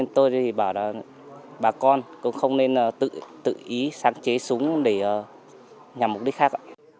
tôi bảo bà con không nên tự ý sáng chế súng để nhằm mục đích khác